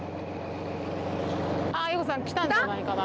夕子さんきたんじゃないかな？